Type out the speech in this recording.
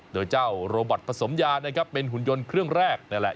โดยเจ้าโรบอตผสมยานะครับเป็นหุ่นยนต์เครื่องแรกนั่นแหละ